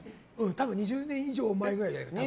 ２０年以上前くらいじゃないかな。